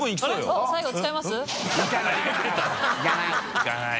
いかない！